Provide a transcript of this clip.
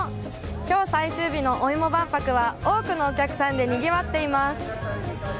今日最終日のおいも万博は多くのお客さんでにぎわっています。